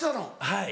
はい。